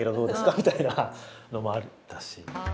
みたいなのもあったし。